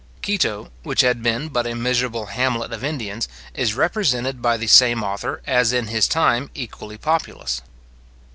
Quito, which had been but a miserable hamlet of Indians, is represented by the same author as in his time equally populous.